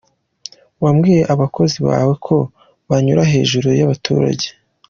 Wabwiye abakozi bawe ko banyura hejuru ya baturage.